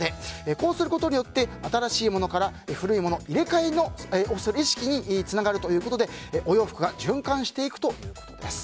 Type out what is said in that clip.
こうすることで新しいものから古いもの、入れ替えの意識につながるということでお洋服が循環していくということです。